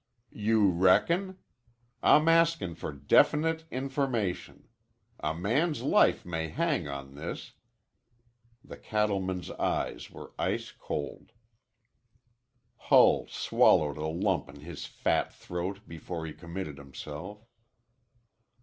"You reckon? I'm askin' for definite information. A man's life may hang on this." The cattleman's eyes were ice cold. Hull swallowed a lump in his fat throat before he committed himself.